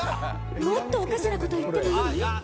もっとおかしなこと言ってもいい？